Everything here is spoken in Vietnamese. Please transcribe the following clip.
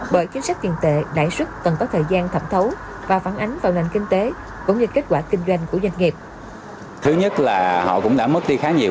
bởi chính sách tiền tệ đại sức cần có thời gian thẩm thấu và phản ánh vào nền kinh tế cũng như kết quả kinh doanh của doanh nghiệp